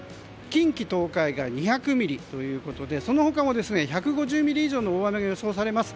近畿・東海が２００ミリということでその他も１５０ミリ以上の大雨が予想されます。